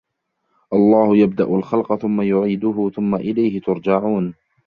اللَّهُ يَبْدَأُ الْخَلْقَ ثُمَّ يُعِيدُهُ ثُمَّ إِلَيْهِ تُرْجَعُونَ